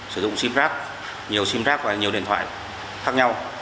sử dụng sim card nhiều sim card và nhiều điện thoại khác nhau